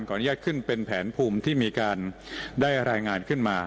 อนุญาตขึ้นเป็นแผนภูมิที่มีการได้รายงานขึ้นมา